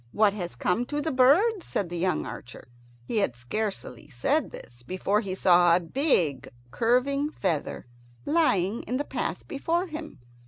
"What has come to the birds?" said the young archer. He had scarcely said this before he saw a big curving feather lying in the path before him.